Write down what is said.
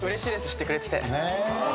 知ってくれてて。